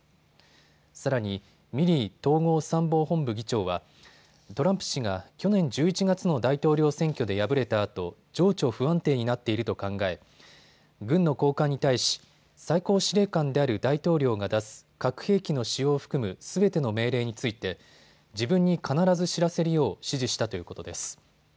さらにミリー統合参謀本部議長はトランプ氏が去年１１月の大統領選挙で敗れたあと情緒不安定になっていると考え軍の高官に対し最高司令官である大統領が出す核兵器の使用を含むすべての命令について自分に必ず知らせるよう指示したということです。